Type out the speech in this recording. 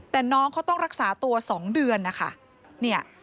แต่น้องเขาต้องรักษาตัว๒เดือนนะคะ